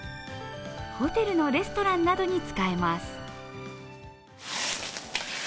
ホテルのレストランなどに使えます。